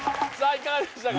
いかがでしたか？